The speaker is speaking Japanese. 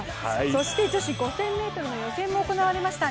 そして女子５０００ｍの予選も行われました。